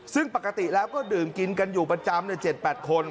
ซึ่งปกติแล้วก็ดื่มกินกันอยู่ประจำเนี่ยเจ็ดแปดคน